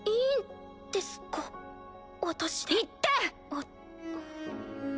あっ。